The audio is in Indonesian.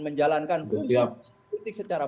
menjalankan fungsi kredit secara